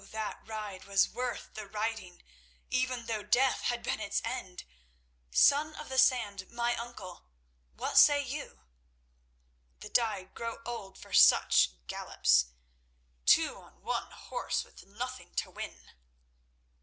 that ride was worth the riding, even though death had been its end. Son of the Sand, my Uncle, what say you?" "That I grow old for such gallops—two on one horse, with nothing to win."